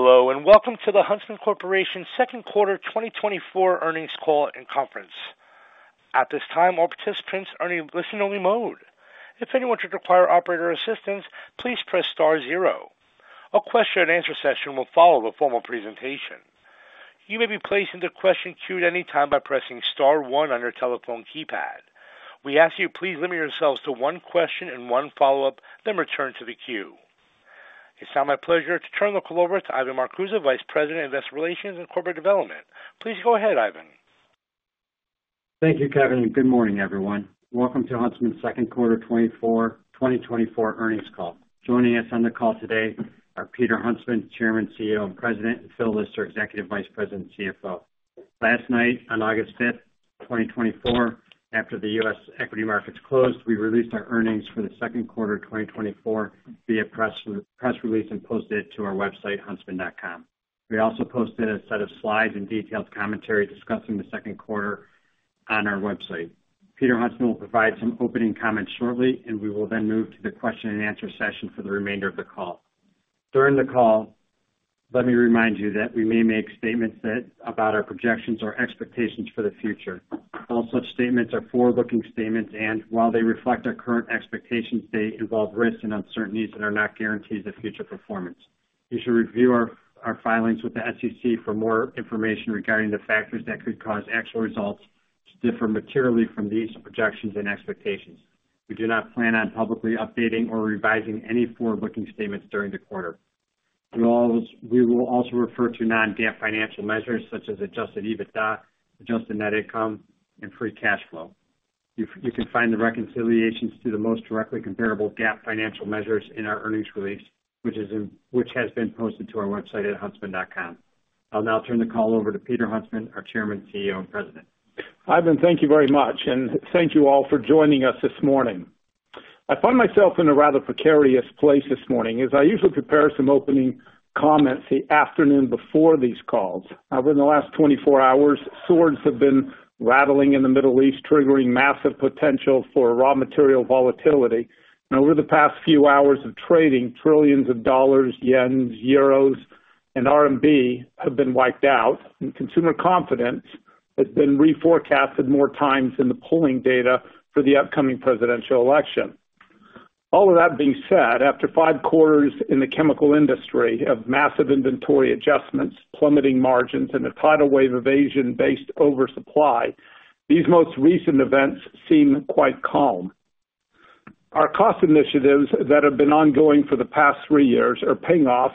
Hello, and welcome to the Huntsman Corporation Second Quarter 2024 Earnings Call and Conference. At this time, all participants are in listen-only mode. If anyone should require operator assistance, please press star zero. A question-and-answer session will follow the formal presentation. You may be placed into question queue at any time by pressing star one on your telephone keypad. We ask you please limit yourselves to one question and one follow-up, then return to the queue. It's now my pleasure to turn the call over to Ivan Marcuse, Vice President of Investor Relations and Corporate Development. Please go ahead, Ivan. Thank you, Kevin, and good morning, everyone. Welcome to Huntsman's second quarter 2024 earnings call. Joining us on the call today are Peter Huntsman, Chairman, CEO, and President, and Phil Lister, Executive Vice President and CFO. Last night, on August 5, 2024, after the U.S. equity markets closed, we released our earnings for the second quarter of 2024 via press release and posted it to our website, huntsman.com. We also posted a set of slides and detailed commentary discussing the second quarter on our website. Peter Huntsman will provide some opening comments shortly, and we will then move to the question-and-answer session for the remainder of the call. During the call, let me remind you that we may make statements that, about our projections or expectations for the future. All such statements are forward-looking statements, and while they reflect our current expectations, they involve risks and uncertainties that are not guarantees of future performance. You should review our filings with the SEC for more information regarding the factors that could cause actual results to differ materially from these projections and expectations. We do not plan on publicly updating or revising any forward-looking statements during the quarter. We will also refer to non-GAAP financial measures such as Adjusted EBITDA, Adjusted net income, and free cash flow. You can find the reconciliations to the most directly comparable GAAP financial measures in our earnings release, which has been posted to our website at huntsman.com. I'll now turn the call over to Peter Huntsman, our Chairman, CEO, and President. Ivan, thank you very much, and thank you all for joining us this morning. I find myself in a rather precarious place this morning, as I usually prepare some opening comments the afternoon before these calls. Within the last 24 hours, swords have been rattling in the Middle East, triggering massive potential for raw material volatility. Over the past few hours of trading, $ trillions, JPY trillions, EUR trillions, and RMB trillions have been wiped out, and consumer confidence has been reforecasted more times in the polling data for the upcoming presidential election. All of that being said, after 5 quarters in the chemical industry of massive inventory adjustments, plummeting margins, and a tidal wave of Asian-based oversupply, these most recent events seem quite calm. Our cost initiatives that have been ongoing for the past 3 years are paying off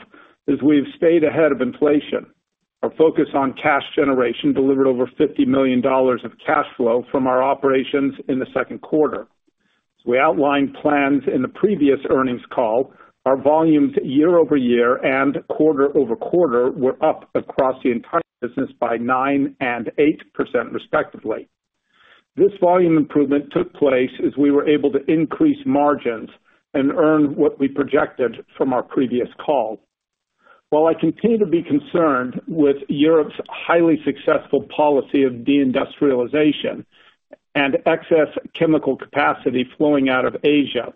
as we've stayed ahead of inflation. Our focus on cash generation delivered over $50 million of cash flow from our operations in the second quarter. As we outlined plans in the previous earnings call, our volumes year-over-year and quarter-over-quarter were up across the entire business by 9% and 8%, respectively. This volume improvement took place as we were able to increase margins and earn what we projected from our previous call. While I continue to be concerned with Europe's highly successful policy of de-industrialization and excess chemical capacity flowing out of Asia,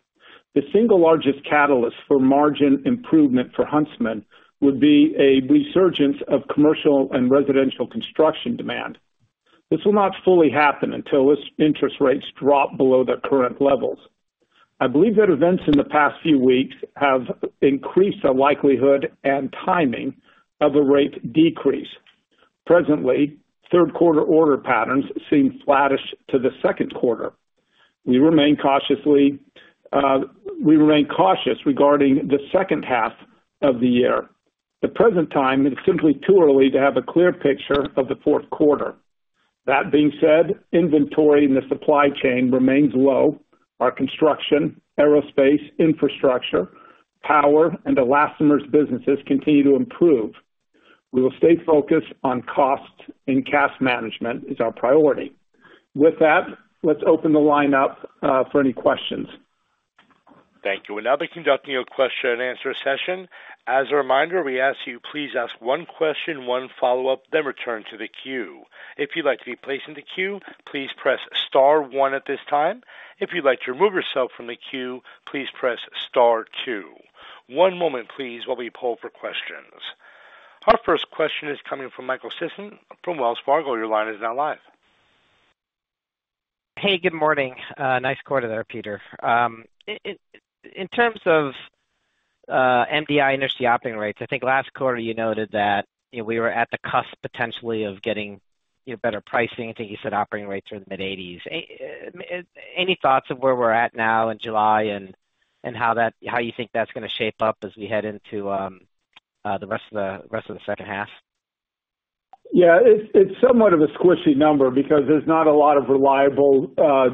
the single largest catalyst for margin improvement for Huntsman would be a resurgence of commercial and residential construction demand. This will not fully happen until its interest rates drop below their current levels. I believe that events in the past few weeks have increased the likelihood and timing of a rate decrease. Presently, third quarter order patterns seem flattish to the second quarter. We remain cautious regarding the second half of the year. At the present time, it is simply too early to have a clear picture of the fourth quarter. That being said, inventory in the supply chain remains low. Our construction, aerospace, infrastructure, power, and elastomers businesses continue to improve. We will stay focused on costs, and cash management is our priority. With that, let's open the line up for any questions. Thank you. We'll now be conducting a question-and-answer session. As a reminder, we ask you, please ask one question, one follow-up, then return to the queue. If you'd like to be placed in the queue, please press star one at this time. If you'd like to remove yourself from the queue, please press star two. One moment, please, while we poll for questions. Our first question is coming from Michael Sison from Wells Fargo. Your line is now live. Hey, good morning. Nice quarter there, Peter. In terms of MDI industry operating rates, I think last quarter you noted that, you know, we were at the cusp, potentially, of getting, you know, better pricing. I think you said operating rates are in the mid-eighties. Any thoughts of where we're at now in July and how that, how you think that's gonna shape up as we head into the rest of the second half? Yeah, it's somewhat of a squishy number because there's not a lot of reliable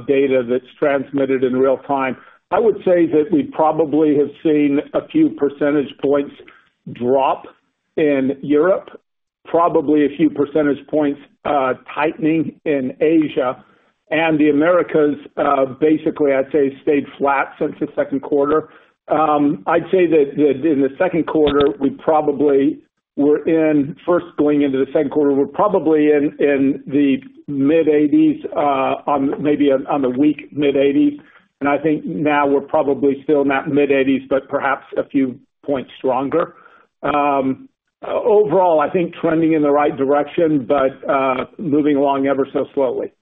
data that's transmitted in real time. I would say that we probably have seen a few percentage points drop in Europe, probably a few percentage points tightening in Asia, and the Americas basically I'd say stayed flat since the second quarter. I'd say that in the second quarter, first going into the second quarter, we were probably in the mid-80s, on the weak mid-80s, and I think now we're probably still in that mid-80s, but perhaps a few points stronger. Overall, I think trending in the right direction, but moving along ever so slowly.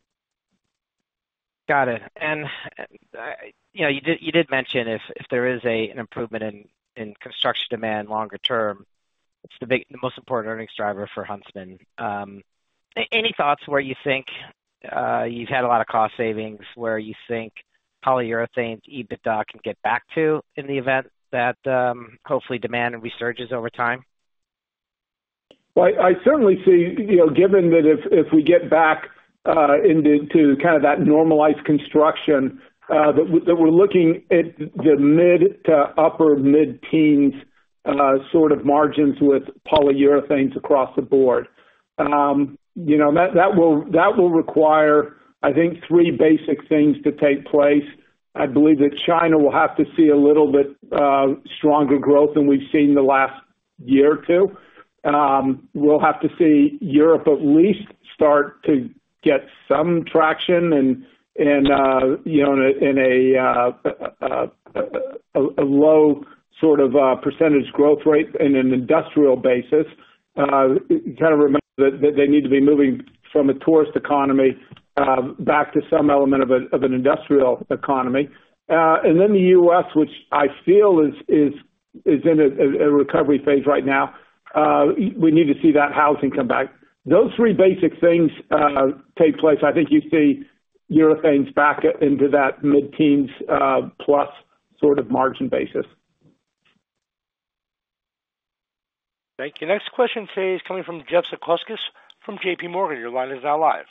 Got it. And you know, you did mention if there is an improvement in construction demand longer term, it's the big- the most important earnings driver for Huntsman. Any thoughts where you think you've had a lot of cost savings, where you think polyurethanes EBITDA can get back to in the event that hopefully demand resurges over time? Well, I certainly see, you know, given that if we get back into kind of that normalized construction, that we're looking at the mid- to upper mid-teens sort of margins with polyurethanes across the board. You know, that will require, I think, three basic things to take place. I believe that China will have to see a little bit stronger growth than we've seen in the last year or two. We'll have to see Europe at least start to get some traction, and you know, in a low sort of percentage growth rate in an industrial basis. Kind of remember that they need to be moving from a tourist economy back to some element of an industrial economy. And then the US, which I feel is in a recovery phase right now, we need to see that housing come back. Those three basic things take place, I think you see urethanes back into that mid-teens plus sort of margin basis. Thank you. Next question today is coming from Jeff Zekauskas from JPMorgan. Your line is now live.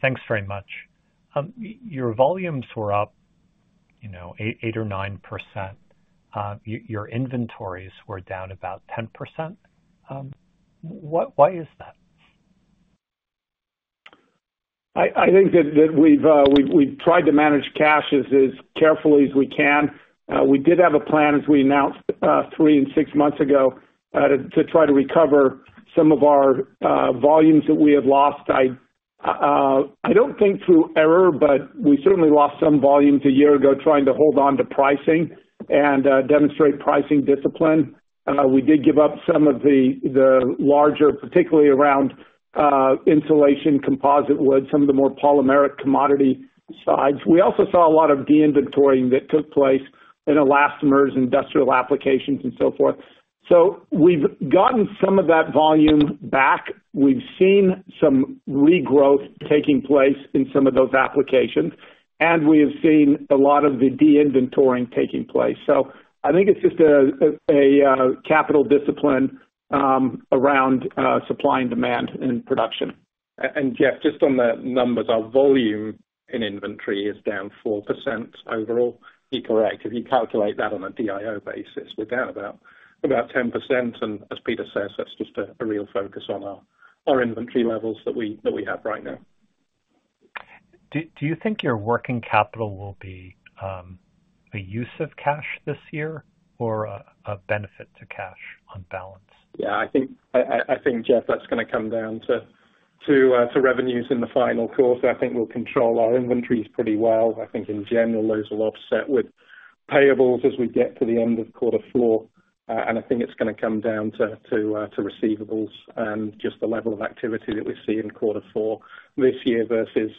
Thanks very much. Your volumes were up, you know, 8, 8 or 9%. Your inventories were down about 10%. Why is that? I think that we've tried to manage cash as carefully as we can. We did have a plan, as we announced, 3 and 6 months ago, to try to recover some of our volumes that we had lost. I don't think through error, but we certainly lost some volumes a year ago trying to hold on to pricing and demonstrate pricing discipline. We did give up some of the larger, particularly around insulation, composite wood, some of the more polymeric commodity sides. We also saw a lot of de-inventorying that took place in elastomers, industrial applications, and so forth. So we've gotten some of that volume back. We've seen some regrowth taking place in some of those applications, and we have seen a lot of the de-inventorying taking place. So I think it's just a capital discipline around supply and demand in production. Jeff, just on the numbers, our volume in inventory is down 4% overall. You're correct, if you calculate that on a DIO basis, we're down about 10%, and as Peter says, that's just a real focus on our inventory levels that we have right now. Do you think your working capital will be a use of cash this year or a benefit to cash on balance? Yeah, I think, Jeff, that's gonna come down to revenues in the final quarter. I think we'll control our inventories pretty well. I think in general, those will offset with payables as we get to the end of quarter four. And I think it's gonna come down to receivables and just the level of activity that we see in quarter four this year versus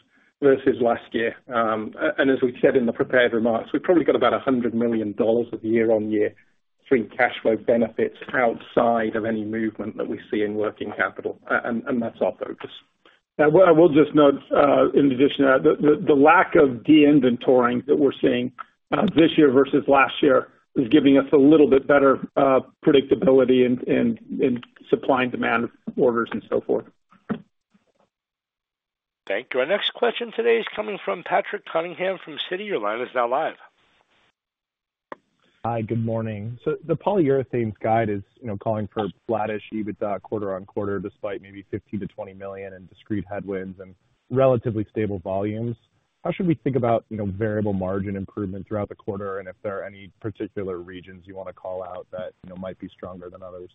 last year. And as we said in the prepared remarks, we've probably got about $100 million of year-on-year free cash flow benefits outside of any movement that we see in working capital, and that's our focus. Well, I will just note, in addition to that, the lack of de-inventorying that we're seeing this year versus last year is giving us a little bit better predictability in supply and demand of orders and so forth. Thank you. Our next question today is coming from Patrick Cunningham from Citi. Your line is now live. Hi, good morning. So the polyurethanes guide is, you know, calling for flattish EBITDA quarter on quarter, despite maybe $50 million-$20 million in discrete headwinds and relatively stable volumes. How should we think about, you know, variable margin improvement throughout the quarter, and if there are any particular regions you wanna call out that, you know, might be stronger than others?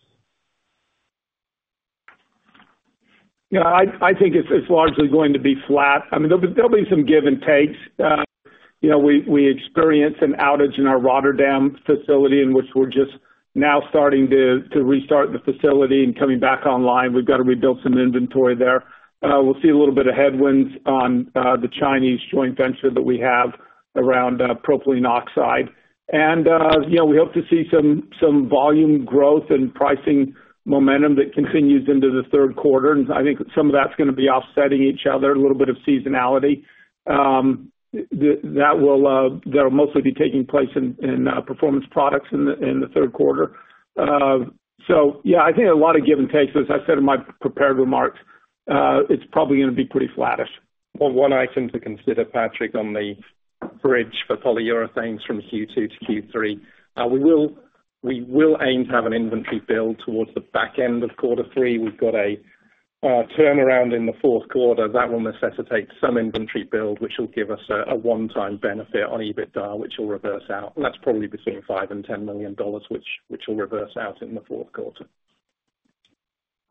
Yeah, I think it's largely going to be flat. I mean, there'll be some give and takes. You know, we experienced an outage in our Rotterdam facility, in which we're just now starting to restart the facility and coming back online. We've got to rebuild some inventory there. We'll see a little bit of headwinds on the Chinese joint venture that we have around propylene oxide. And you know, we hope to see some volume growth and pricing momentum that continues into the third quarter, and I think some of that's gonna be offsetting each other, a little bit of seasonality. That'll mostly be taking place in Performance Products in the third quarter. So yeah, I think a lot of give and take, as I said in my prepared remarks. It's probably gonna be pretty flattish. Well, one item to consider, Patrick, on the bridge for polyurethanes from Q2 to Q3, we will aim to have an inventory build towards the back end of quarter three. We've got a turnaround in the fourth quarter, that will necessitate some inventory build, which will give us a one-time benefit on EBITDA, which will reverse out. Well, that's probably between $5 million and $10 million, which will reverse out in the fourth quarter.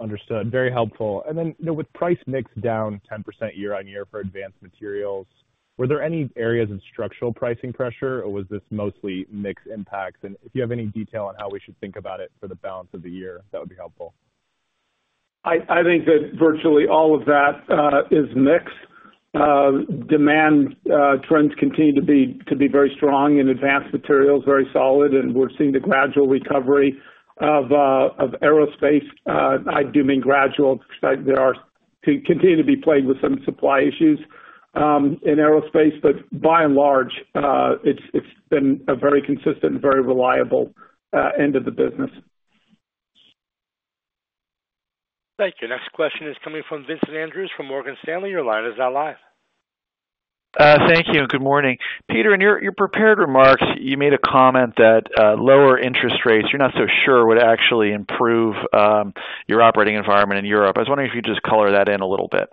Understood. Very helpful. Then, you know, with price mix down 10% year-on-year for Advanced Materials, were there any areas of structural pricing pressure, or was this mostly mix impacts? And if you have any detail on how we should think about it for the balance of the year, that would be helpful. I think that virtually all of that is mix. Demand trends continue to be very strong in Advanced Materials, very solid, and we're seeing the gradual recovery of aerospace. I do mean gradual, because there continue to be plagued with some supply issues in aerospace, but by and large, it's been a very consistent and very reliable end of the business. Thank you. Next question is coming from Vincent Andrews from Morgan Stanley. Your line is now live. Thank you, and good morning. Peter, in your, your prepared remarks, you made a comment that lower interest rates, you're not so sure would actually improve your operating environment in Europe. I was wondering if you could just color that in a little bit.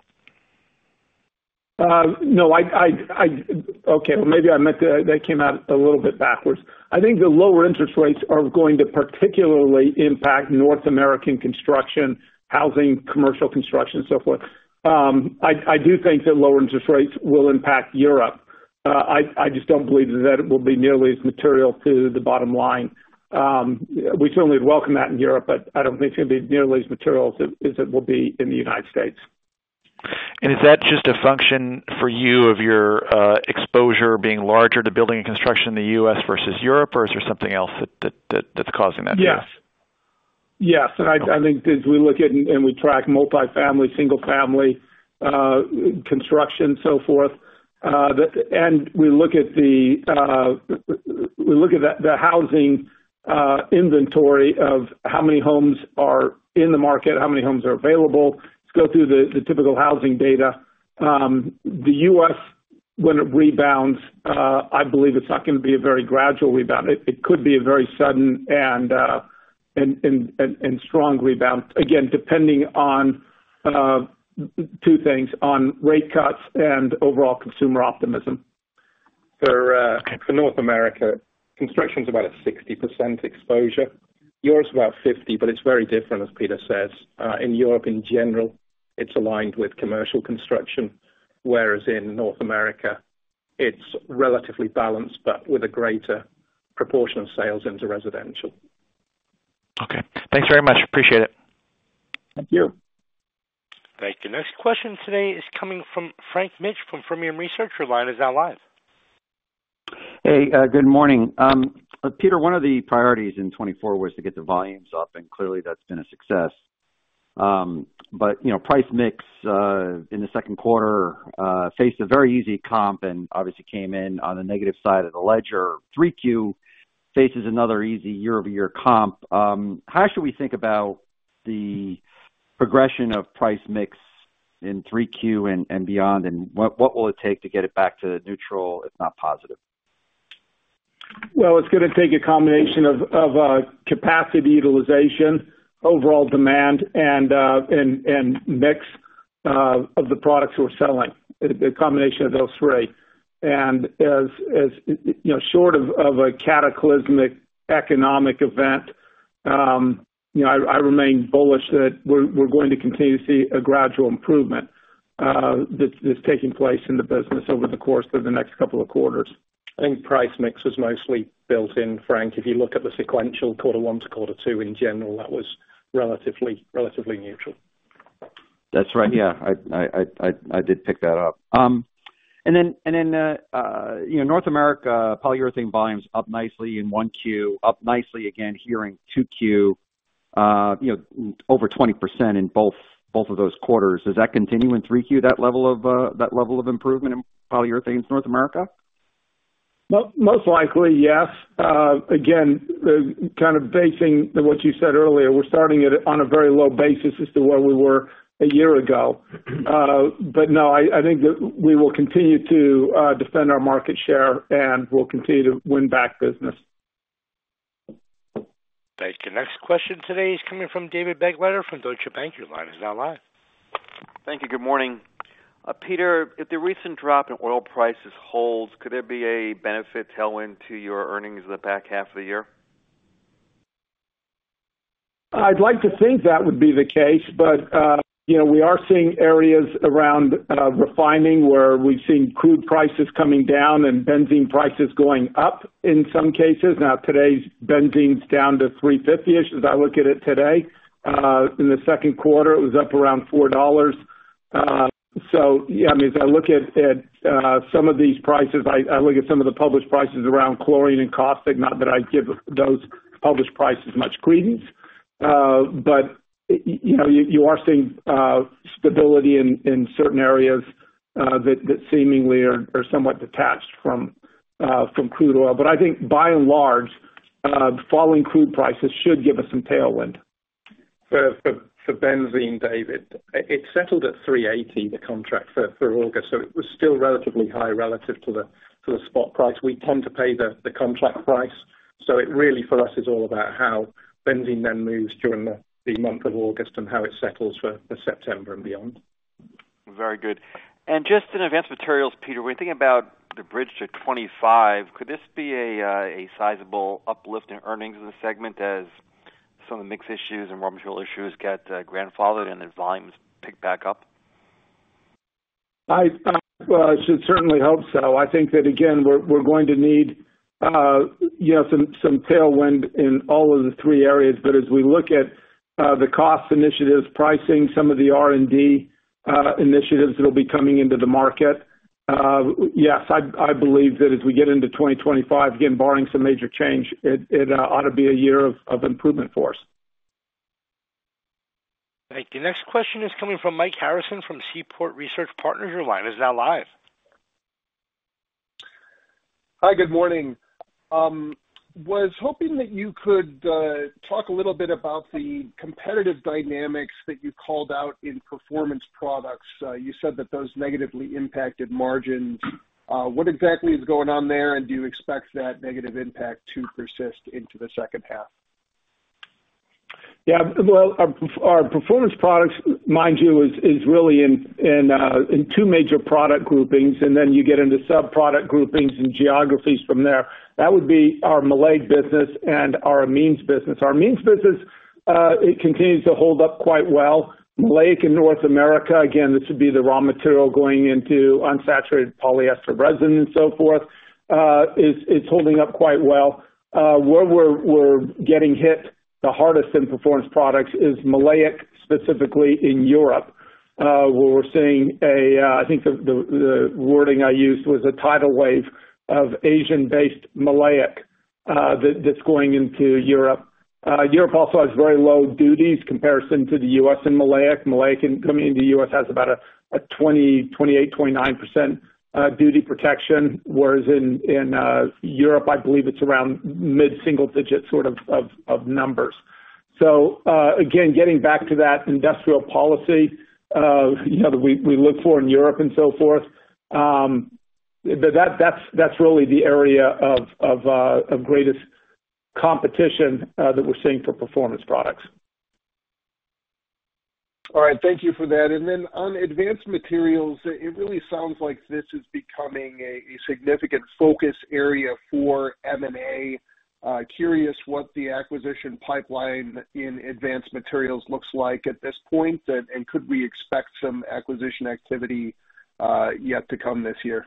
No. Okay, well, maybe I meant that, that came out a little bit backwards. I think the lower interest rates are going to particularly impact North American construction, housing, commercial construction, so forth. I do think that lower interest rates will impact Europe. I just don't believe that it will be nearly as material to the bottom line. We certainly welcome that in Europe, but I don't think it's gonna be nearly as material as it will be in the United States. Is that just a function for you of your exposure being larger to building and construction in the U.S. versus Europe, or is there something else that that's causing that too? Yes. Yes, and I think as we look at and we track multifamily, single family, construction, so forth, and we look at the we look at the housing inventory of how many homes are in the market, how many homes are available, just go through the typical housing data. The U.S., when it rebounds, I believe it's not gonna be a very gradual rebound. It could be a very sudden and strong rebound, again, depending on two things: on rate cuts and overall consumer optimism. For North America, construction's about a 60% exposure. Europe's about 50, but it's very different, as Peter says. In Europe, in general, it's aligned with commercial construction, whereas in North America, it's relatively balanced, but with a greater proportion of sales into residential. Okay. Thanks very much. Appreciate it. Thank you. Thank you. Next question today is coming from Frank Mitsch from Fermium Research. Your line is now live. Hey, good morning. Peter, one of the priorities in 2024 was to get the volumes up, and clearly that's been a success. But, you know, price mix in the second quarter faced a very easy comp and obviously came in on the negative side of the ledger. Q3 faces another easy year-over-year comp. How should we think about the progression of price mix in Q3 and, and beyond, and what, what will it take to get it back to neutral, if not positive? Well, it's gonna take a combination of capacity utilization, overall demand, and mix of the products we're selling. A combination of those three. And as you know, short of a cataclysmic economic event, you know, I remain bullish that we're going to continue to see a gradual improvement that that's taking place in the business over the course of the next couple of quarters. I think price mix is mostly built in, Frank. If you look at the sequential quarter one to quarter two, in general, that was relatively, relatively neutral. That's right. Yeah, I did pick that up. And then, you know, North America, polyurethane volume's up nicely in Q1, up nicely again here in Q2, you know, over 20% in both of those quarters. Does that continue in Q3, that level of improvement in polyurethane in North America? Well, most likely, yes. Again, the kind of basing what you said earlier, we're starting at, on a very low basis as to where we were a year ago. But no, I, I think that we will continue to defend our market share, and we'll continue to win back business. Thank you. Next question today is coming from David Begleiter from Deutsche Bank. Your line is now live. Thank you. Good morning. Peter, if the recent drop in oil prices holds, could there be a benefit tailwind to your earnings in the back half of the year? I'd like to think that would be the case, but, you know, we are seeing areas around refining, where we've seen crude prices coming down and benzene prices going up in some cases. Now, today's benzene's down to $3.50-ish, as I look at it today. In the second quarter, it was up around $4. So yeah, I mean, as I look at some of these prices, I look at some of the published prices around chlorine and caustic, not that I give those published prices much credence, but, you know, you are seeing stability in certain areas that seemingly are somewhat detached from crude oil. But I think by and large, falling crude prices should give us some tailwind. For benzene, David, it settled at $380, the contract for August, so it was still relatively high relative to the spot price. We tend to pay the contract price. So it really, for us, is all about how benzene then moves during the month of August and how it settles for September and beyond. Very good. Just in Advanced Materials, Peter, when you think about the bridge to 25, could this be a sizable uplift in earnings in the segment as some of the mix issues and raw material issues get grandfathered in and volumes pick back up? I, well, I should certainly hope so. I think that again, we're, we're going to need, you know, some, some tailwind in all of the three areas. But as we look at, the cost initiatives, pricing, some of the R&D, initiatives that will be coming into the market, yes, I, I believe that as we get into 2025, again, barring some major change, it, it, ought to be a year of, of improvement for us. Thank you. Next question is coming from Mike Harrison from Seaport Research Partners. Your line is now live. Hi, good morning. Was hoping that you could talk a little bit about the competitive dynamics that you called out in Performance Products. You said that those negatively impacted margins. What exactly is going on there, and do you expect that negative impact to persist into the second half? Yeah, well, our Performance Products, mind you, is really in two major product groupings, and then you get into sub-product groupings and geographies from there. That would be our maleic business and our amines business. Our amines business, it continues to hold up quite well. Maleic in North America, again, this would be the raw material going into unsaturated polyester resin and so forth, is holding up quite well. Where we're getting hit the hardest in Performance Products is maleic, specifically in Europe, where we're seeing a tidal wave of Asian-based maleic that's going into Europe. Europe also has very low duties comparison to the U.S. in maleic. Maleic coming into the U.S. has about 28-29% duty protection, whereas in Europe, I believe it's around mid-single digit, sort of numbers. So, again, getting back to that industrial policy, you know, that we look for in Europe and so forth, but that's really the area of greatest competition that we're seeing for Performance Products. All right. Thank you for that. And then on Advanced Materials, it really sounds like this is becoming a significant focus area for M&A. Curious what the acquisition pipeline in Advanced Materials looks like at this point, and could we expect some acquisition activity yet to come this year?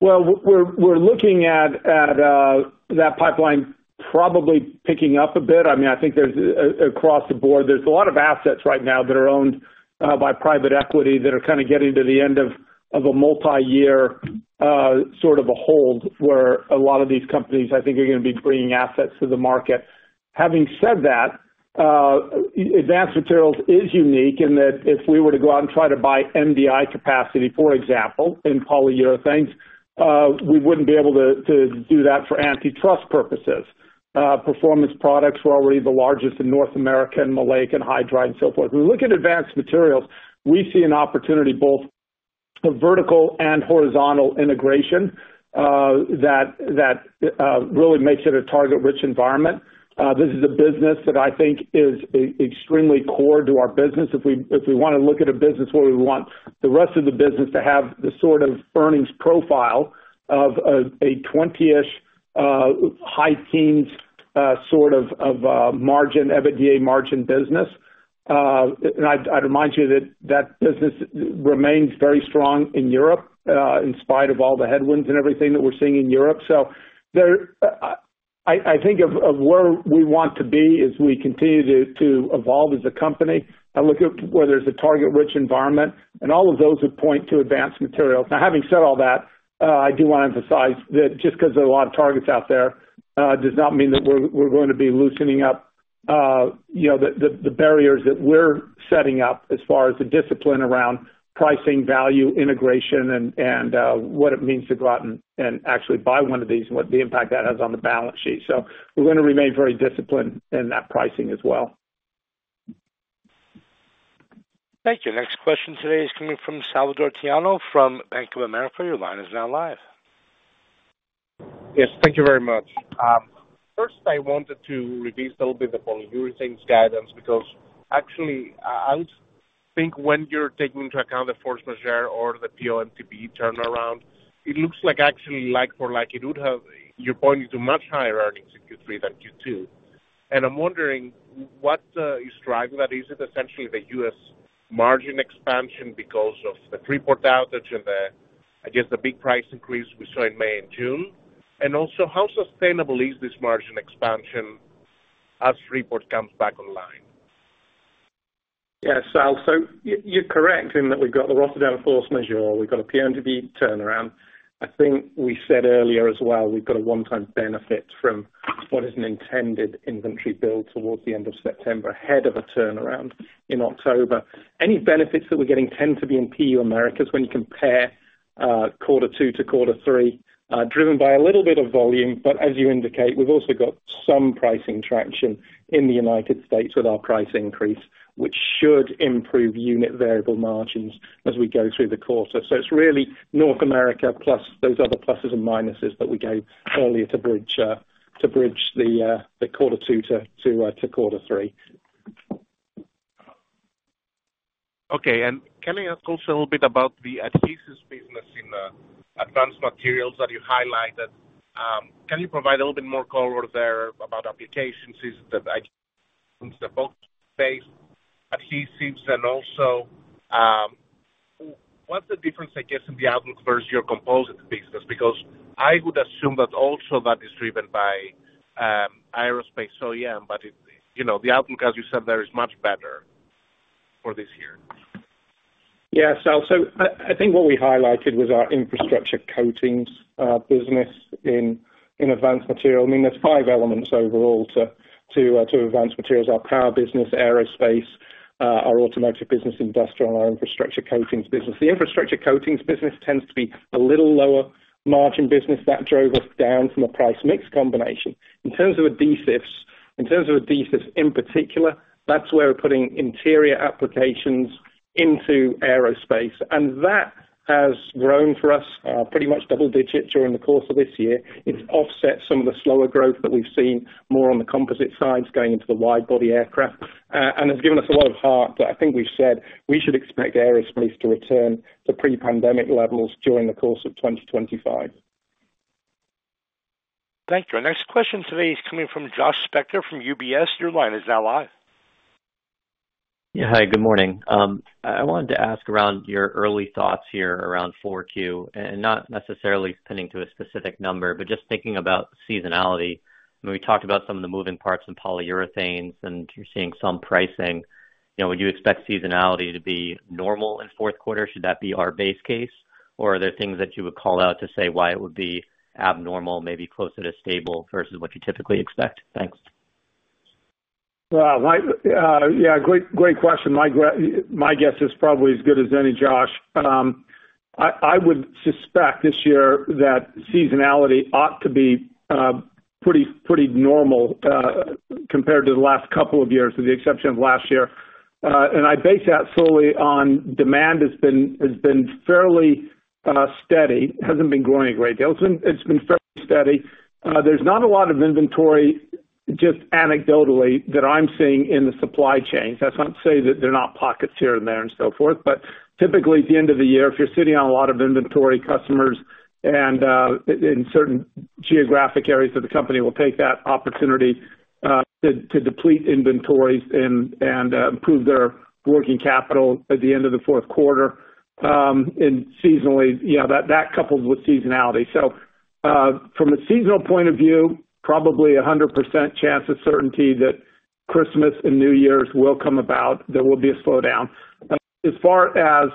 Well, we're looking at that pipeline probably picking up a bit. I mean, I think there's across the board, there's a lot of assets right now that are owned by private equity, that are kind of getting to the end of a multi-year sort of a hold, where a lot of these companies, I think, are gonna be bringing assets to the market. Having said that, Advanced Materials is unique, in that if we were to go out and try to buy MDI capacity, for example, in Polyurethanes, we wouldn't be able to do that for antitrust purposes. Performance Products, we're already the largest in North America, in maleic anhydride, and so forth. When we look at advanced materials, we see an opportunity both for vertical and horizontal integration, that really makes it a target-rich environment. This is a business that I think is extremely core to our business. If we wanna look at a business where we want the rest of the business to have the sort of earnings profile of a 20-ish, high teens, sort of margin, EBITDA margin business, and I'd remind you that that business remains very strong in Europe, in spite of all the headwinds and everything that we're seeing in Europe. So there, I think of where we want to be as we continue to evolve as a company, I look at where there's a target-rich environment, and all of those would point to advanced materials. Now, having said all that, I do wanna emphasize that just 'cause there are a lot of targets out there, does not mean that we're going to be loosening up, you know, the barriers that we're setting up as far as the discipline around pricing, value, integration, and what it means to go out and actually buy one of these, and what the impact that has on the balance sheet. So we're gonna remain very disciplined in that pricing as well. Thank you. Next question today is coming from Salvator Tiano from Bank of America. Your line is now live. Yes, thank you very much. First, I wanted to review a little bit the Polyurethanes guidance, because actually, I think when you're taking into account the force majeure or the PO/MTBE turnaround, it looks like actually like for like, it would have... You're pointing to much higher earnings in Q3 than Q2. And I'm wondering what is driving that? Is it essentially the U.S. margin expansion because of the Freeport outage and the, I guess, the big price increase we saw in May and June? And also, how sustainable is this margin expansion as Freeport comes back online? Yeah, Sal, so you're correct in that we've got the Rotterdam force majeure, we've got a PO/MTBE turnaround. I think we said earlier as well, we've got a one-time benefit from what is an intended inventory build towards the end of September, ahead of a turnaround in October. Any benefits that we're getting tend to be in PU Americas when you compare quarter two to quarter three, driven by a little bit of volume. But as you indicate, we've also got some pricing traction in the United States with our price increase, which should improve unit variable margins as we go through the quarter. So it's really North America, plus those other pluses and minuses that we gave earlier to bridge the quarter two to quarter three.... Okay, and can I ask also a little bit about the adhesives business in Advanced Materials that you highlighted? Can you provide a little bit more color there about applications? Is that the wood space, adhesives, and also what's the difference, I guess, in the outlook versus your composite business? Because I would assume that also that is driven by aerospace. So, yeah, but it, you know, the outlook, as you said, there, is much better for this year. Yeah, so I think what we highlighted was our infrastructure coatings business in Advanced Materials. I mean, there's five elements overall to Advanced Materials, our power business, aerospace, our automotive business, industrial, and our infrastructure coatings business. The infrastructure coatings business tends to be a little lower margin business that drove us down from a price mix combination. In terms of adhesives, in terms of adhesives, in particular, that's where we're putting interior applications into aerospace, and that has grown for us pretty much double digits during the course of this year. It's offset some of the slower growth that we've seen more on the composite sides, going into the wide body aircraft. It's given us a lot of heart that I think we've said we should expect aerospace to return to pre-pandemic levels during the course of 2025. Thank you. Our next question today is coming from Josh Spector from UBS. Your line is now live. Yeah, hi, good morning. I wanted to ask around your early thoughts here around 4Q, and not necessarily pinning to a specific number, but just thinking about seasonality. When we talked about some of the moving parts in polyurethanes, and you're seeing some pricing, you know, would you expect seasonality to be normal in fourth quarter? Should that be our base case, or are there things that you would call out to say why it would be abnormal, maybe closer to stable versus what you typically expect? Thanks. Well, yeah, great, great question. My guess is probably as good as any, Josh. I would suspect this year that seasonality ought to be pretty, pretty normal, compared to the last couple of years, with the exception of last year. And I base that solely on demand has been fairly steady. It hasn't been growing a great deal. It's been fairly steady. There's not a lot of inventory, just anecdotally, that I'm seeing in the supply chains. That's not to say that they're not pockets here and there and so forth, but typically, at the end of the year, if you're sitting on a lot of inventory, customers and, in certain geographic areas of the company, will take that opportunity, to deplete inventories and, improve their working capital at the end of the fourth quarter. And seasonally, yeah, that couples with seasonality. So, from a seasonal point of view, probably 100% chance of certainty that Christmas and New Year's will come about. There will be a slowdown. As far as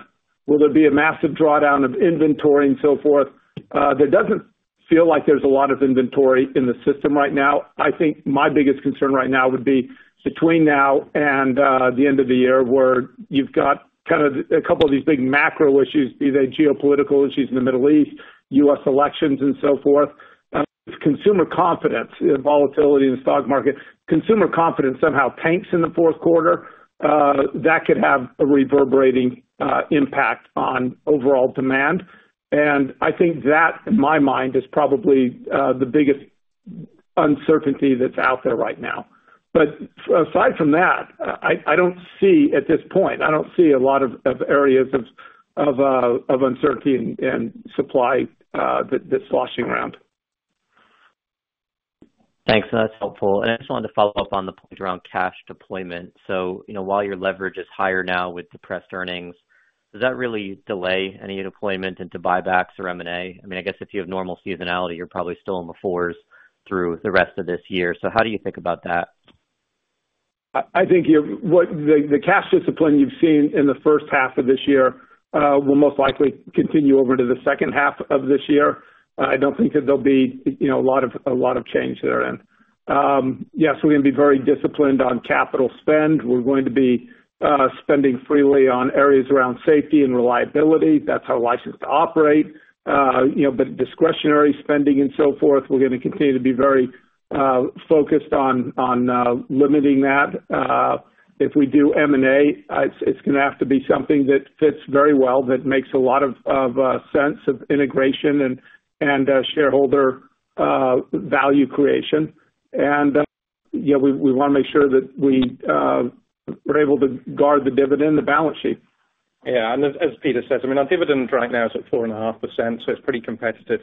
will there be a massive drawdown of inventory and so forth, there doesn't feel like there's a lot of inventory in the system right now. I think my biggest concern right now would be between now and the end of the year, where you've got kind of a couple of these big macro issues, be they geopolitical issues in the Middle East, U.S. elections, and so forth. Consumer confidence and volatility in the stock market. Consumer confidence somehow tanks in the fourth quarter, that could have a reverberating impact on overall demand, and I think that, in my mind, is probably the biggest uncertainty that's out there right now. But aside from that, I don't see at this point, I don't see a lot of areas of uncertainty and supply, that's sloshing around. Thanks, that's helpful. And I just wanted to follow up on the point around cash deployment. So, you know, while your leverage is higher now with depressed earnings, does that really delay any deployment into buybacks or M&A? I mean, I guess if you have normal seasonality, you're probably still in the fours through the rest of this year, so how do you think about that? I think what the cash discipline you've seen in the first half of this year will most likely continue over to the second half of this year. I don't think that there'll be, you know, a lot of change therein. Yes, we're gonna be very disciplined on capital spend. We're going to be spending freely on areas around safety and reliability. That's our license to operate. You know, but discretionary spending and so forth, we're gonna continue to be very focused on limiting that. If we do M&A, it's gonna have to be something that fits very well, that makes a lot of sense of integration and shareholder value creation. You know, we wanna make sure that we're able to guard the dividend, the balance sheet. Yeah, and as, as Peter says, I mean, our dividend right now is at 4.5%, so it's pretty competitive,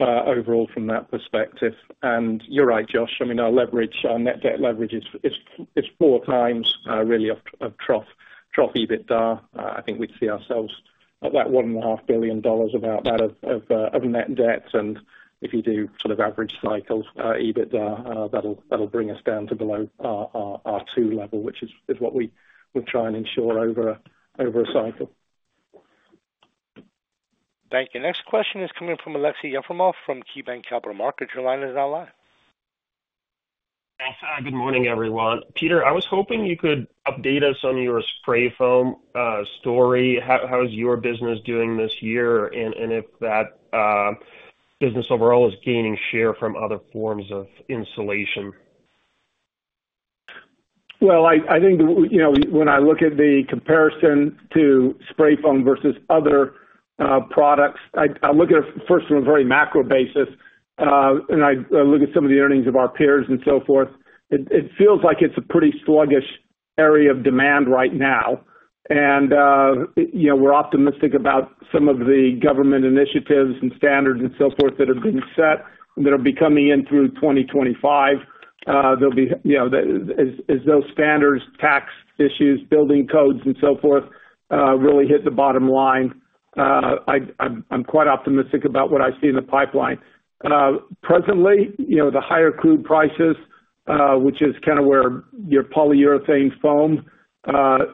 overall from that perspective. And you're right, Josh, I mean, our leverage, our net debt leverage is, it's, it's 4x, really of, of, trough, trough EBITDA. I think we'd see ourselves at that $1.5 billion, about that, of, of, of net debt. And if you do sort of average cycles, EBITDA, that'll, that'll bring us down to below our, our, our 2 level, which is, is what we would try and ensure over a, over a cycle. Thank you. Next question is coming from Aleksey Yefremov from KeyBanc Capital Markets. Your line is now live. Thanks. Good morning, everyone. Peter, I was hoping you could update us on your spray foam story. How is your business doing this year, and if that business overall is gaining share from other forms of insulation? Well, I think, you know, when I look at the comparison to spray foam versus other products. I look at it first from a very macro basis, and I look at some of the earnings of our peers and so forth. It feels like it's a pretty sluggish area of demand right now, and, you know, we're optimistic about some of the government initiatives and standards and so forth that have been set that'll be coming in through 2025. They'll be, you know, as those standards, tax issues, building codes, and so forth, really hit the bottom line, I am quite optimistic about what I see in the pipeline. Presently, you know, the higher crude prices, which is kind of where your polyurethane foam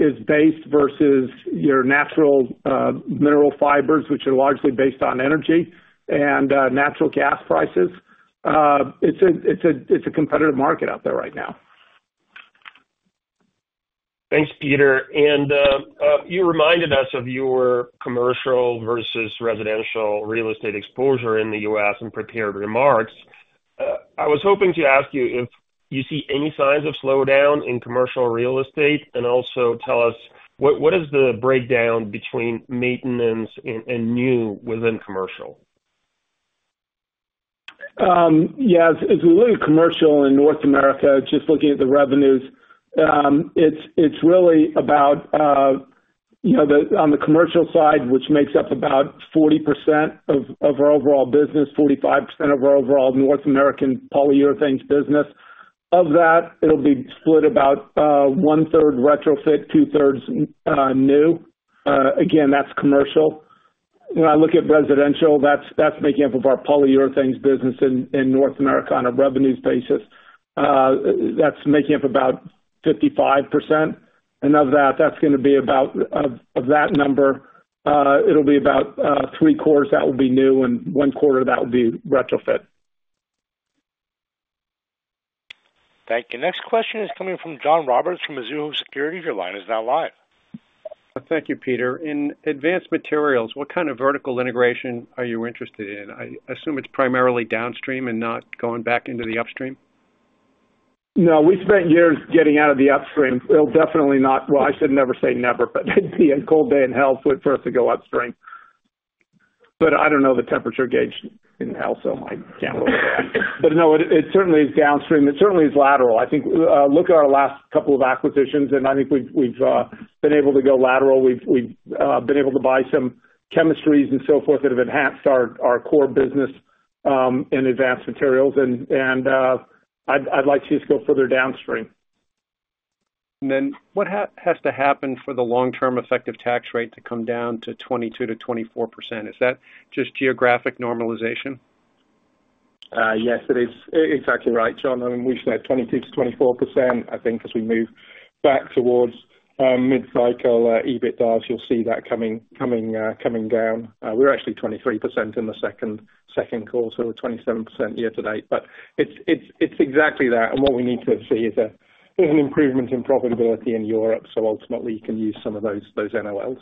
is based versus your natural mineral fibers, which are largely based on energy and natural gas prices, it's a competitive market out there right now. Thanks, Peter, and you reminded us of your commercial versus residential real estate exposure in the U.S. in prepared remarks. I was hoping to ask you if you see any signs of slowdown in commercial real estate, and also tell us what is the breakdown between maintenance and new within commercial? Yeah, as we look at commercial in North America, just looking at the revenues, it's really about, you know, on the commercial side, which makes up about 40% of our overall business, 45% of our overall North American Polyurethanes business. Of that, it'll be split about 1/3 retrofit, 2/3 new. Again, that's commercial. When I look at residential, that's making up of our Polyurethanes business in North America on a revenues basis. That's making up about 55%, and of that, that's gonna be about of that number, it'll be about 3/4 that will be new and 1/4 that will be retrofit. Thank you. Next question is coming from John Roberts from Mizuho Securities. Your line is now live. Thank you, Peter. In Advanced Materials, what kind of vertical integration are you interested in? I assume it's primarily downstream and not going back into the upstream. No, we spent years getting out of the upstream. It'll definitely not... Well, I should never say never, but it'd be a cold day in hell for us to go upstream. But I don't know the temperature gauge in hell, so I can't rule it out. But no, it certainly is downstream. It certainly is lateral. I think, look at our last couple of acquisitions, and I think we've been able to go lateral. We've been able to buy some chemistries and so forth that have enhanced our core business in Advanced Materials, and I'd like to see us go further downstream. And then what has to happen for the long-term effective tax rate to come down to 22%-24%? Is that just geographic normalization? Yes, it is exactly right, John. I mean, we've said 22%-24%. I think as we move back towards mid-cycle EBITDA, you'll see that coming down. We're actually 23% in the second quarter, 27% year to date. But it's exactly that, and what we need to see is an improvement in profitability in Europe, so ultimately you can use some of those NOLs.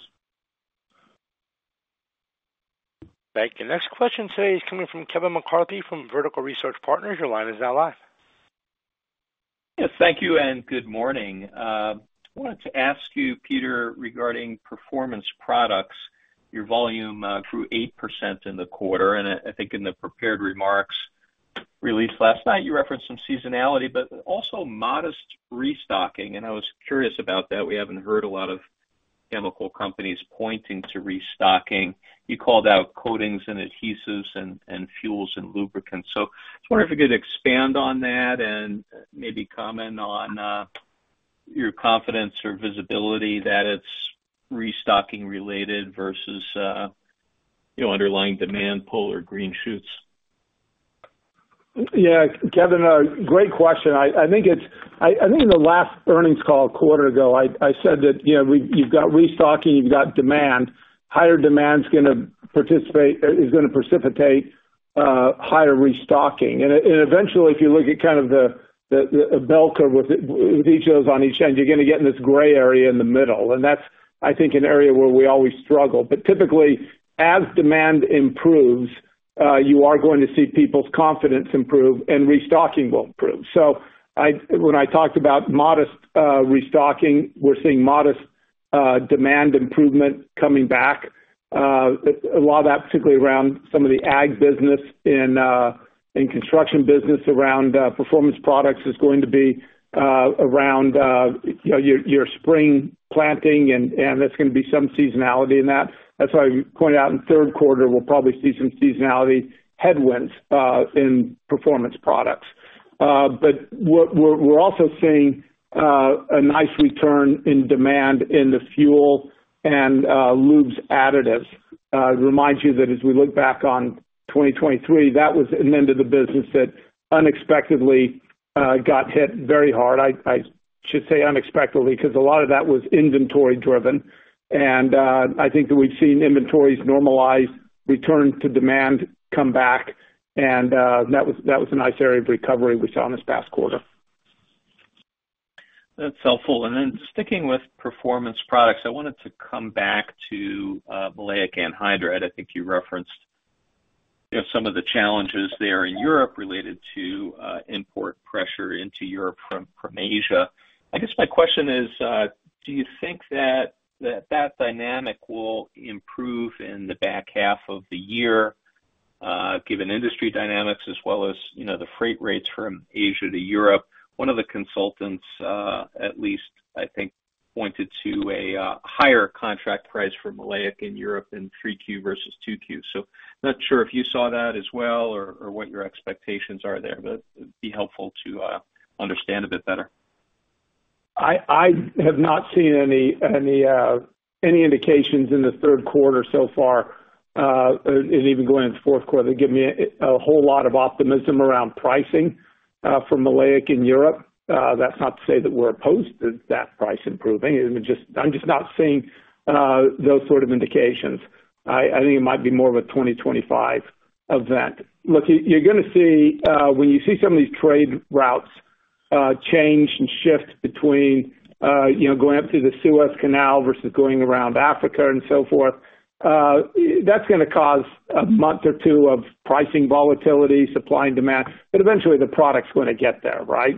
Thank you. Next question today is coming from Kevin McCarthy from Vertical Research Partners. Your line is now live. Yes, thank you, and good morning. I wanted to ask you, Peter, regarding Performance Products, your volume grew 8% in the quarter, and I, I think in the prepared remarks released last night, you referenced some seasonality, but also modest restocking, and I was curious about that. We haven't heard a lot of chemical companies pointing to restocking. You called out coatings and adhesives and fuels and lubricants. So I was wondering if you could expand on that and maybe comment on your confidence or visibility that it's restocking related versus, you know, underlying demand pull or green shoots. Yeah, Kevin, a great question. I think in the last earnings call a quarter ago, I said that, you know, we've got restocking, you've got demand. Higher demand's gonna precipitate higher restocking. And eventually, if you look at kind of the bell curve with each of those on each end, you're gonna get in this gray area in the middle, and that's, I think, an area where we always struggle. But typically, as demand improves, you are going to see people's confidence improve and restocking will improve. So when I talked about modest restocking, we're seeing modest demand improvement coming back. A lot of that particularly around some of the ag business and and construction business around Performance Products is going to be around you know your spring planting and there's gonna be some seasonality in that. That's why we pointed out in the third quarter we'll probably see some seasonality headwinds in Performance Products. But we're also seeing a nice return in demand in the fuel and lubes additives. Remind you that as we look back on 2023 that was an end of the business that unexpectedly got hit very hard. I should say unexpectedly, because a lot of that was inventory driven, and I think that we've seen inventories normalize, return to demand come back, and that was a nice area of recovery we saw in this past quarter. That's helpful. And then sticking with performance products, I wanted to come back to maleic anhydride. I think you referenced you know, some of the challenges there in Europe related to import pressure into Europe from Asia. I guess my question is, do you think that dynamic will improve in the back half of the year, given industry dynamics as well as, you know, the freight rates from Asia to Europe? One of the consultants, at least I think, pointed to a higher contract price for maleic in Europe in 3Q versus 2Q. So not sure if you saw that as well or what your expectations are there, but it'd be helpful to understand a bit better. I have not seen any indications in the third quarter so far, and even going into the fourth quarter, that give me a whole lot of optimism around pricing for maleic in Europe. That's not to say that we're opposed to that price improving, it just- I'm just not seeing those sort of indications. I think it might be more of a 2025 event. Look, you're gonna see, when you see some of these trade routes change and shift between, you know, going up through the Suez Canal versus going around Africa and so forth, that's gonna cause a month or two of pricing volatility, supply and demand, but eventually the product's gonna get there, right?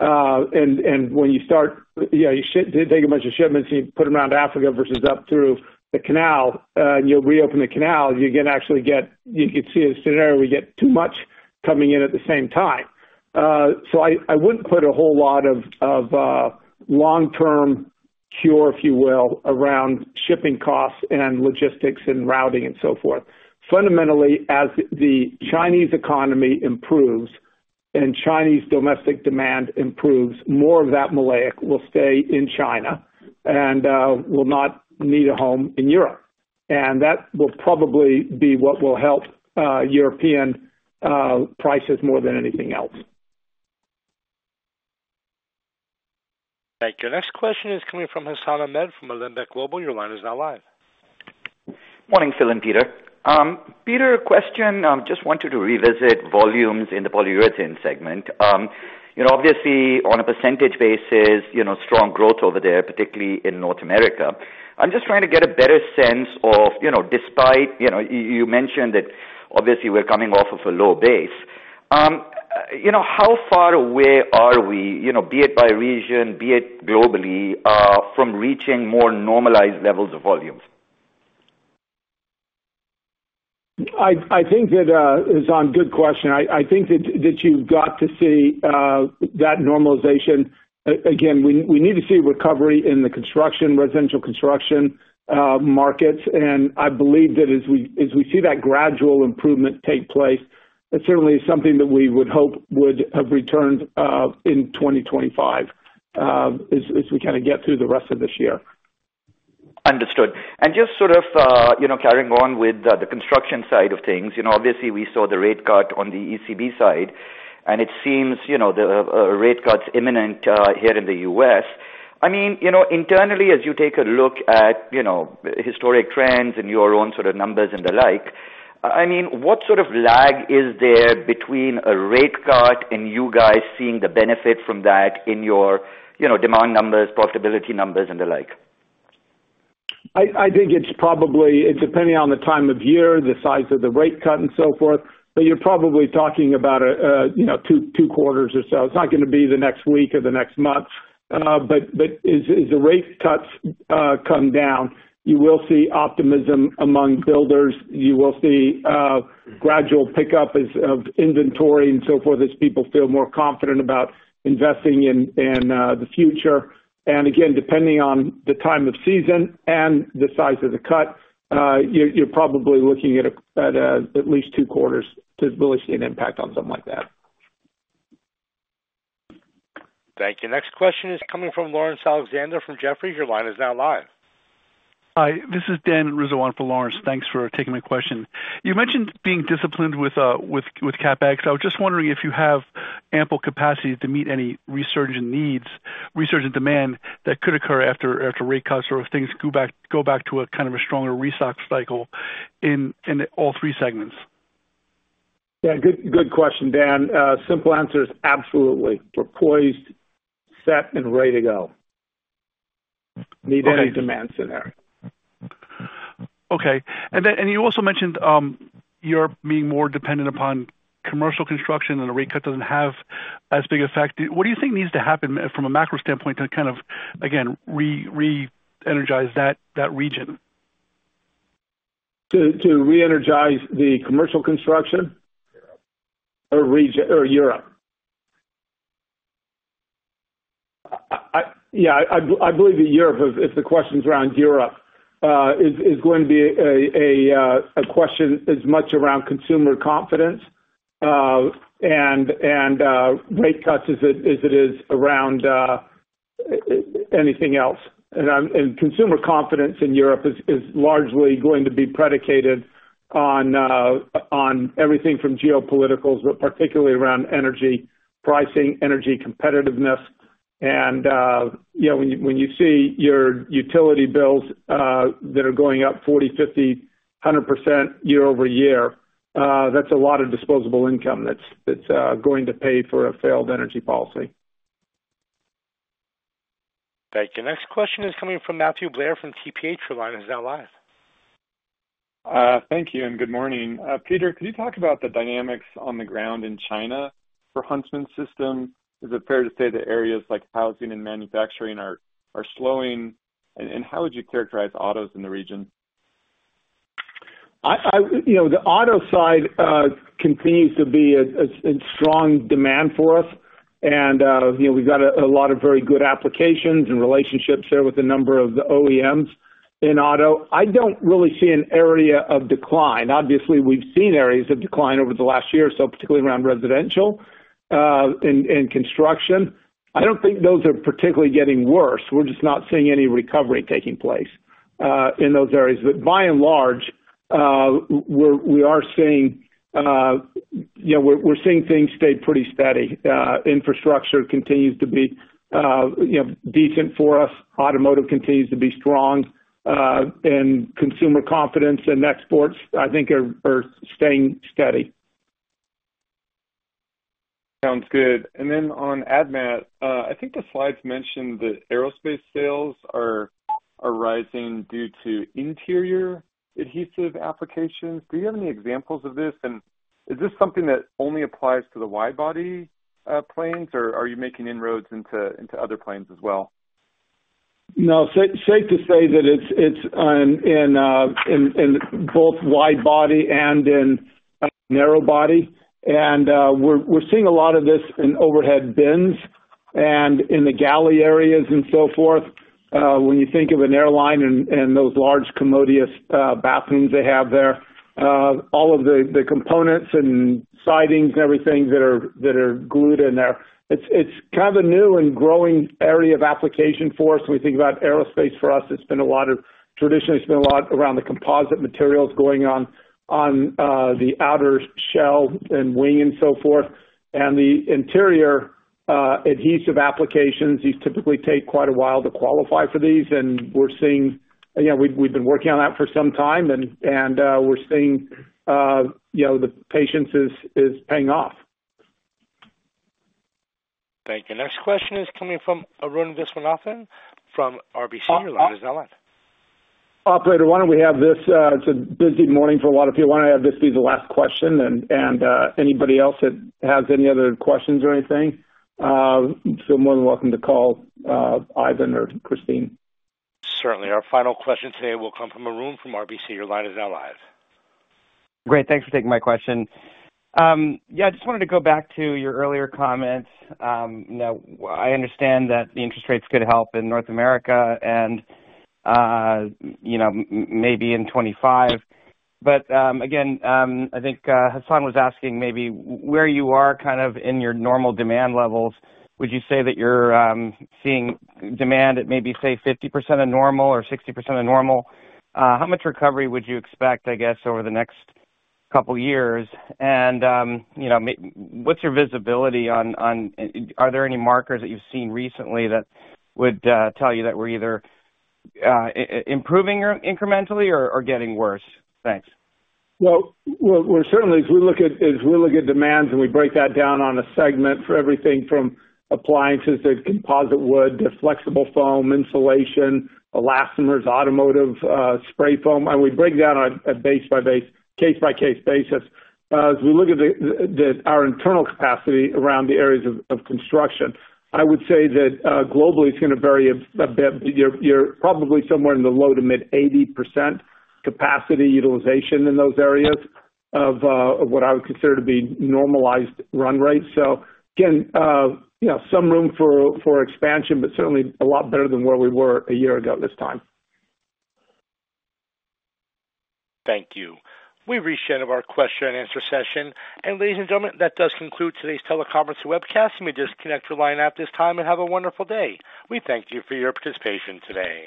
So, and when you start... You know, you take a bunch of shipments and you put them around Africa versus up through the canal, and you reopen the canal, you're gonna actually get you could see a scenario where you get too much coming in at the same time. So I wouldn't put a whole lot of long-term cure, if you will, around shipping costs and logistics and routing and so forth. Fundamentally, as the Chinese economy improves and Chinese domestic demand improves, more of that maleic will stay in China and will not need a home in Europe, and that will probably be what will help European prices more than anything else. Thank you. Next question is coming from Hassan Ahmed, from Alembic Global. Your line is now live. Morning, Phil and Peter. Peter, question, just wanted to revisit volumes in the polyurethane segment. You know, obviously, on a percentage basis, you know, strong growth over there, particularly in North America. I'm just trying to get a better sense of, you know, despite, you mentioned that obviously we're coming off of a low base. You know, how far away are we, you know, be it by region, be it globally, from reaching more normalized levels of volumes? I think that it's a good question. I think that you've got to see that normalization. Again, we need to see recovery in the construction, residential construction markets, and I believe that as we see that gradual improvement take place, it's certainly something that we would hope would have returned in 2025, as we kind of get through the rest of this year. Understood. Just sort of, you know, carrying on with the construction side of things, you know, obviously we saw the rate cut on the ECB side, and it seems, you know, the rate cut's imminent, here in the U.S. I mean, you know, internally, as you take a look at, you know, historic trends and your own sort of numbers and the like, I mean, what sort of lag is there between a rate cut and you guys seeing the benefit from that in your, you know, demand numbers, profitability numbers, and the like? I think it's probably... It's depending on the time of year, the size of the rate cut and so forth, but you're probably talking about, you know, 2, 2 quarters or so. It's not gonna be the next week or the next month, but as the rate cuts come down, you will see optimism among builders. You will see gradual pickup as of inventory and so forth, as people feel more confident about investing in the future. And again, depending on the time of season and the size of the cut, you're probably looking at at least 2 quarters to really see an impact on something like that. Thank you. Next question is coming from Laurence Alexander from Jefferies. Your line is now live. Hi, this is Dan Rizzo for Laurence. Thanks for taking my question. You mentioned being disciplined with CapEx. I was just wondering if you have ample capacity to meet any resurgent needs, resurgent demand that could occur after rate cuts or if things go back to a kind of a stronger restock cycle in all three segments? Yeah, good, good question, Dan. Simple answer is absolutely. We're poised, set, and ready to go. Okay. Meet any demand scenario. Okay. And then, and you also mentioned, Europe being more dependent upon commercial construction, and a rate cut doesn't have as big effect. What do you think needs to happen from a macro standpoint to kind of, again, re-energize that, that region? To re-energize the commercial construction? Europe. Or Europe? I believe that Europe, if the question's around Europe, is going to be a question as much around consumer confidence and rate cuts as it is around anything else. And consumer confidence in Europe is largely going to be predicated on everything from geopolitical, but particularly around energy pricing, energy competitiveness. And you know, when you see your utility bills that are going up 40%, 50%, 100% year-over-year, that's a lot of disposable income that's going to pay for a failed energy policy. Thank you. Next question is coming from Matthew Blair from TPH. Your line is now live. Thank you and good morning. Peter, could you talk about the dynamics on the ground in China for Huntsman System? Is it fair to say that areas like housing and manufacturing are slowing, and how would you characterize autos in the region? You know, the auto side continues to be in strong demand for us, and, you know, we've got a lot of very good applications and relationships there with a number of the OEMs in auto. I don't really see an area of decline. Obviously, we've seen areas of decline over the last year or so, particularly around residential and construction. I don't think those are particularly getting worse. We're just not seeing any recovery taking place in those areas. But by and large, we're seeing, you know, we're seeing things stay pretty steady. Infrastructure continues to be, you know, decent for us. Automotive continues to be strong, and consumer confidence and exports, I think are staying steady. Sounds good. And then on Admat, I think the slides mentioned that aerospace sales are rising due to interior adhesive applications. Do you have any examples of this? And is this something that only applies to the wide-body planes, or are you making inroads into other planes as well? No, safe to say that it's in both wide body and in narrow body, and we're seeing a lot of this in overhead bins and in the galley areas and so forth. When you think of an airline and those large commodious bathrooms they have there, all of the components and sidings and everything that are glued in there, it's kind of a new and growing area of application for us. When we think about aerospace, for us, it's been a lot of... Traditionally, it's been a lot around the composite materials going on, the outer shell and wing and so forth, and the interior, adhesive applications. These typically take quite a while to qualify for these, and we're seeing, you know, we've been working on that for some time and, we're seeing, you know, the patience is paying off. Thank you. Next question is coming from Arun Viswanathan from RBC. Your line is now live. Operator, why don't we have this, it's a busy morning for a lot of people. Why don't I have this be the last question, and anybody else that has any other questions or anything, feel more than welcome to call Ivan or Christine. Certainly. Our final question today will come from Arun from RBC. Your line is now live. Great, thanks for taking my question. Yeah, I just wanted to go back to your earlier comments. Now, I understand that the interest rates could help in North America and, you know, maybe in 2025. But, again, I think, Hassan was asking maybe where you are kind of in your normal demand levels. Would you say that you're seeing demand at maybe, say, 50% of normal or 60% of normal? How much recovery would you expect, I guess, over the next couple years? And, you know, maybe what's your visibility on, on... Are there any markers that you've seen recently that would tell you that we're either improving or incrementally or getting worse? Thanks. Well, well, we're certainly, as we look at, as we look at demands, and we break that down on a segment for everything from appliances to composite wood to flexible foam, insulation, elastomers, automotive, spray foam, and we break it down on a base by base, case by case basis. As we look at our internal capacity around the areas of construction, I would say that globally, it's gonna vary a bit. You're probably somewhere in the low- to mid-80% capacity utilization in those areas of what I would consider to be normalized run rates. So again, you know, some room for expansion, but certainly a lot better than where we were a year ago this time. Thank you. We've reached the end of our question and answer session, and ladies and gentlemen, that does conclude today's teleconference webcast. You may disconnect your line at this time and have a wonderful day. We thank you for your participation today.